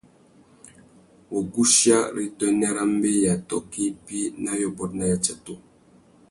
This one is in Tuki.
Wuguchia râ utênê râ mbeya tôkô ibi na yôbôt na yatsatu.